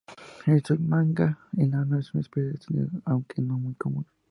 El suimanga enano es una especie extendida aunque no muy común.